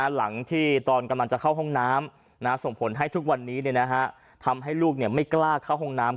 หลังที่ตอนกำลังจะเข้าห้องน้ำส่งผลให้ทุกวันนี้ทำให้ลูกไม่กล้าเข้าห้องน้ำ